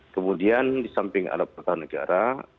kemudian di samping alat pertahanan negara